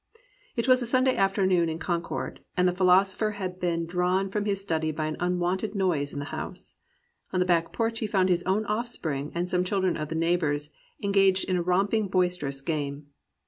It was a Sunday afternoon in Con cord, and the philosopher had been drawn from his study by an unwonted noise in the house. On the back porch he found his own offspring and some children of the neighbours engaged in a romping, boisterous game.